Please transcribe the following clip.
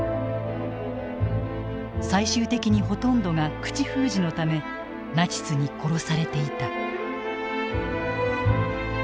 最終的にほとんどが口封じのためナチスに殺されていた。